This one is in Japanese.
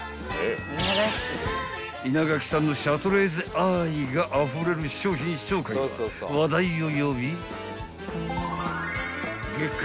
［稲垣さんのシャトレーゼ愛があふれる商品紹介が話題を呼び］